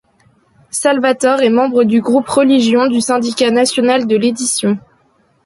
Salvator est membre du groupe religion du syndicat national de l'édition.